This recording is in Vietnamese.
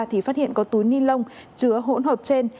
thì phát hiện có túi ni lông chứa hỗn hợp trên